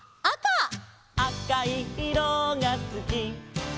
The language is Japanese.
「あかいいろがすき」